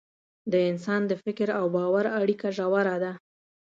د انسان د فکر او باور اړیکه ژوره ده.